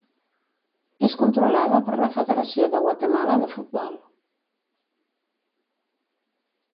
És controlada per la Federació de Guatemala de Futbol.